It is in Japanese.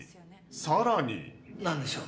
さらになんでしょう？